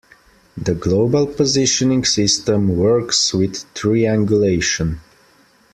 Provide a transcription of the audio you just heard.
The global positioning system works with triangulation.